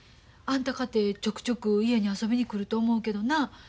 あんたかてちょくちょく家に遊びに来ると思うけどな。